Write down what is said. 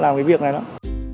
làm cái việc này lắm